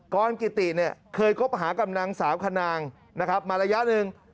กรกิติเคยคบหากับนางสาวคนนางมาระยะหนึ่ง